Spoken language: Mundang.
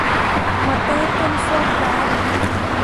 Mo teitel coor daaro.